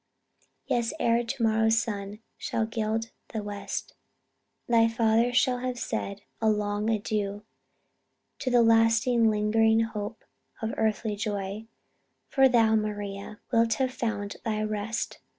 Yes, ere to morrow's sun shall gild the west, Thy father shall have said a long adieu To the last lingering hope of earthly joy; For thou, Maria, wilt have found thy rest.